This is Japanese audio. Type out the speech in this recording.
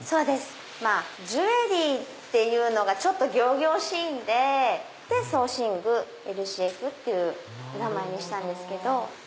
ジュエリーって言うのがちょっと仰々しいんで装身具ＬＣＦっていう名前にしたんですけど。